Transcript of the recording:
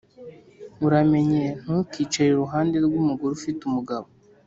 Uramenye ntukicare iruhande rw’umugore ufite umugabo,